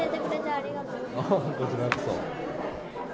こちらこそ。